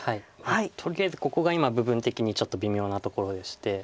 とりあえずここが今部分的にちょっと微妙なところでして。